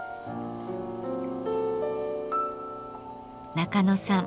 中野さん